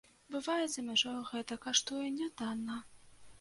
Бывае, за мяжой гэта каштуе нятанна.